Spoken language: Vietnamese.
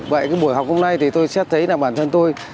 vậy buổi học hôm nay tôi sẽ thấy bản thân tôi